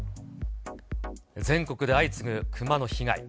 全国で相次ぐクマの被害。